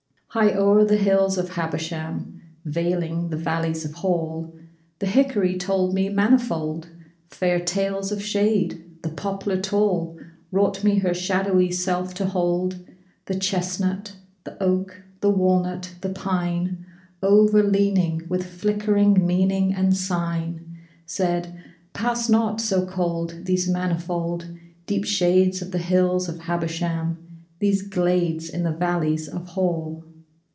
High o'er the hills of Habersham, Veiling the valleys of Hall, The hickory told me manifold Fair tales of shade, the poplar tall Wrought me her shadowy self to hold, The chestnut, the oak, the walnut, the pine, Overleaning, with flickering meaning and sign, Said, `Pass not, so cold, these manifold Deep shades of the hills of Habersham, These glades in the valleys of Hall.'